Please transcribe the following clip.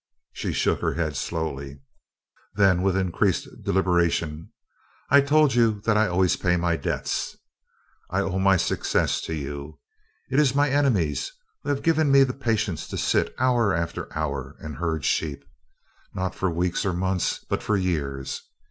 She shook her head slowly. Then, with increased deliberation: "I told you that I always pay my debts. I owe my success to you. It is my enemies who have given me the patience to sit hour after hour and herd sheep not for weeks nor months, but for years.